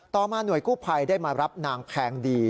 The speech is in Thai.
ต่อมาหน่วยกู้ภัยได้มารับนางแพงดี